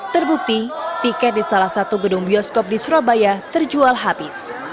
terbukti tiket di salah satu gedung bioskop di surabaya terjual habis